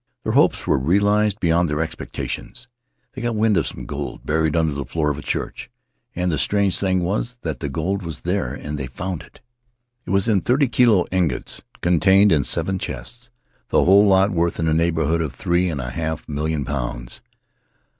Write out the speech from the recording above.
Their hopes were realized beyond all expectations. They got wind of some gold buried under the floor of a church, and the strange thing was that the gold was there and they found it. It was in thirty kilo ingots, contained in seven chests, the whole lot worth in the neighborhood of three and a half million pounds.